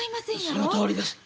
そのとおりです。